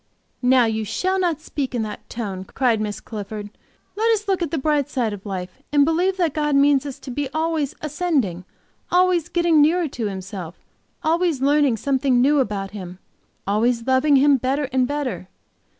"Now you shall not speak in that tone," cried Miss Clifford. "Let us look at the bright side of life, and believe that God means us to be always ascending, always getting nearer to Himself, always learning something new about Him, always loving Him better and better.